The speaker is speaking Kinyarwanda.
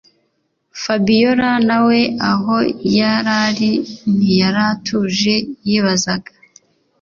Fabiora nawe aho yarari ntiyaratuje yibazaga